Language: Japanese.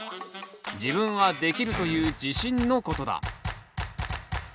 「自分はできる」という自信のことだ。